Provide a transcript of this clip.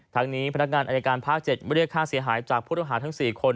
ทั้งนี้พนักงานอายการภาค๗เรียกค่าเสียหายจากผู้ต้องหาทั้ง๔คน